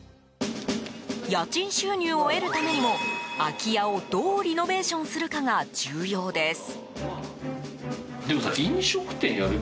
家賃収入を得るためにも空き家をどうリノベーションするかが重要です。